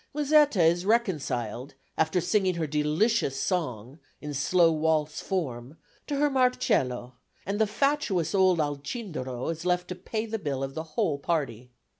Musetta is reconciled after singing her delicious song, in slow waltz form, to her Marcello, and the fatuous old Alcindoro is left to pay the bill of the whole party.